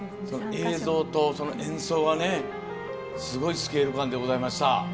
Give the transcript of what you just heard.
映像と演奏がすごいスケール感でございました。